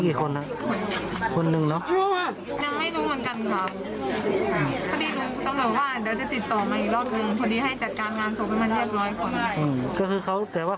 ก็กลัวเหมือนกันครับพี่